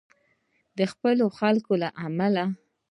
د خپلو خلکو له امله.